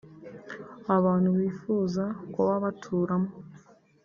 abantu bifuza kuba baturamo